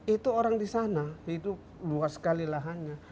itu orang di sana itu luas sekali lahannya